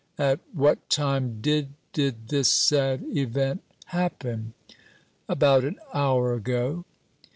At what time did did this sad event happen? "About an hour ago."